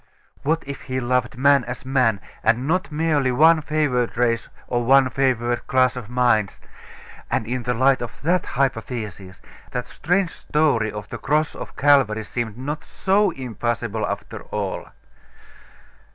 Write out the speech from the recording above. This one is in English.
What if He loved man as man, and not merely one favoured race or one favoured class of minds?.... And in the light of that hypothesis, that strange story of the Cross of Calvary seemed not so impossible after all....